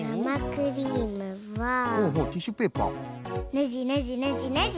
ねじねじねじねじ。